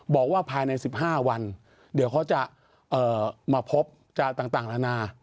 บอกว่าภายใน๑๕วันเดี๋ยวเขาจะมาพบจะต่างนานา